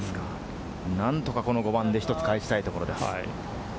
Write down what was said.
何とかこの５番で１つ返したいところです。